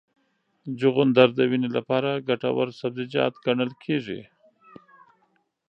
چغندر د وینې لپاره ګټور سبزیجات ګڼل کېږي.